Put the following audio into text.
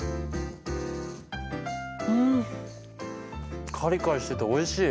うんカリカリしてておいしい。